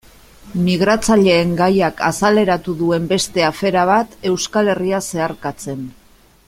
Migratzaileen gaiak azaleratu duen beste afera bat, Euskal Herria zeharkatzen.